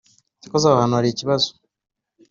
cyokoze aho hantu hari ikibazo